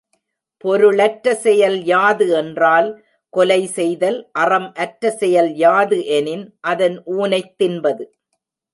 பொருளற்ற செயல் யாது என்றால் கொலை செய்தல் அறம் அற்ற செயல் யாது எனின் அதன் ஊனைத் தின்பது.